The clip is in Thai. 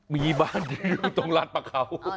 มีบ้านตรงรันด์ประเขา